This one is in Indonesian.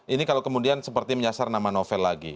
ini kalau kemudian seperti menyasar nama novel lagi